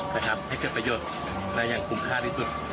นะครับให้เกิดประโยชน์ณอย่างคุ้มค่าที่สุด